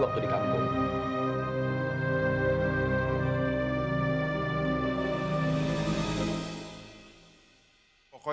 waktu di kampung